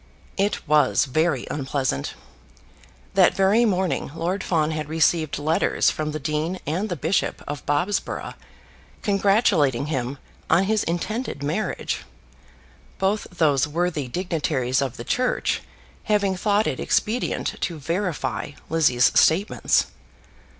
It was very unpleasant. That very morning Lord Fawn had received letters from the Dean and the Bishop of Bobsborough congratulating him on his intended marriage, both those worthy dignitaries of the Church having thought it expedient to verify Lizzie's statements.